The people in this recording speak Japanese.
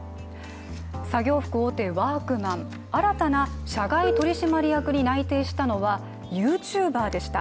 作業服大手・ワークマン新たな社外取締役に内定したのはＹｏｕＴｕｂｅｒでした。